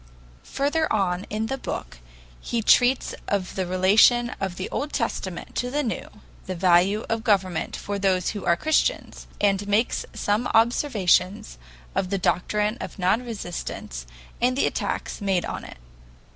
Further on in the book he treats of the relation of the Old Testament to the New, the value of government for those who are Christians, and makes some observations on the doctrine of non resistance and the attacks made on it.